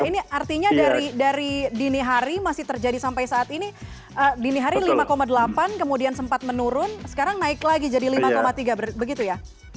ini artinya dari dini hari masih terjadi sampai saat ini dini hari lima delapan kemudian sempat menurun sekarang naik lagi jadi lima tiga begitu ya